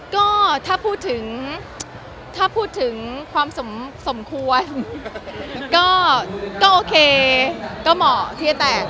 ก็ถ้าพูดถึงถ้าพูดถึงความสมควรก็โอเคก็เหมาะที่จะแตก